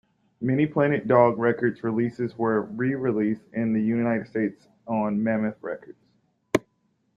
Many Planet Dog Records releases were re-released in the United States on Mammoth Records.